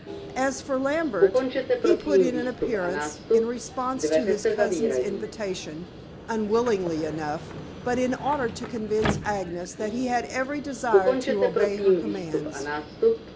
As for Lambert, he put in an appearance, in response to his cousin's invitation, unwillingly enough, but in order to convince Agnes that he had every desire to obey her commands.